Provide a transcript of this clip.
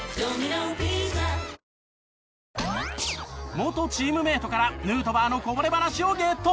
元チームメートからヌートバーのこぼれ話をゲット。